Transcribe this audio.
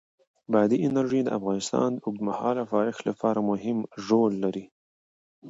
بادي انرژي د افغانستان د اوږدمهاله پایښت لپاره مهم رول لري.